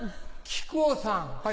木久扇さん